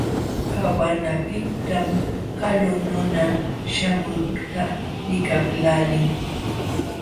Qawanapiqtam kalu nuna śhamuqta likaqlaalin.